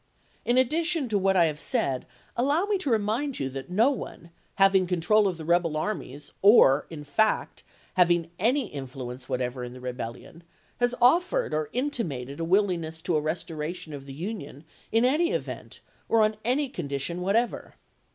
In addition to what I have said, allow me to remind you that no one, having control of the rebel armies, or, in fact, having any influence whatever in the Rebellion, has offered, or intimated a willingness to a restoration of the Union, in any event, or on any condition what ever.